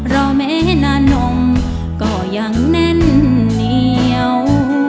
รอแม้นานมก็ยังแน่นเหนียว